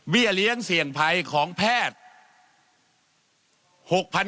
เลี้ยงเสี่ยงภัยของแพทย์